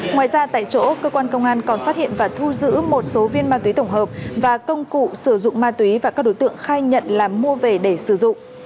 ngoài ra tại chỗ cơ quan công an còn phát hiện và thu giữ một số viên ma túy tổng hợp và công cụ sử dụng ma túy và các đối tượng khai nhận là mua về để sử dụng